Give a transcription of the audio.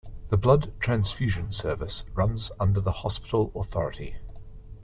The blood transfusion service runs under the Hospital Authority.